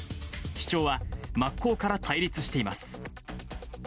主張は真っ向から対立しています。